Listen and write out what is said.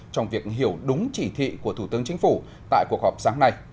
trong việc hiểu đúng chỉ thị của thủ tướng chính phủ tại cuộc họp sáng nay